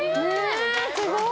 すごい。